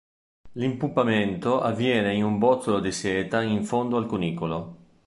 L'impupamento avviene in un bozzolo di seta in fondo al cunicolo.